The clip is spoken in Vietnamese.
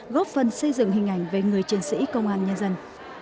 góp phần xây dựng hình ảnh về người chiến sĩ công an nhân dân